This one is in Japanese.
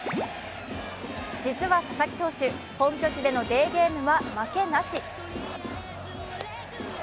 実は佐々木投手、本拠地でのデーゲームは負けなし。